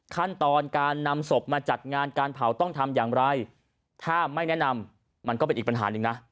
ขั้นตอนการนำศพมาจัดงานการเผาไม่ก็เป็นอีกปัญหาหนึ่ง